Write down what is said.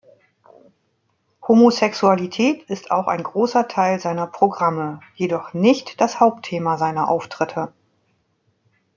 Homosexualität ist auch ein großer Teil seiner Programme, jedoch nicht das Hauptthema seiner Auftritte.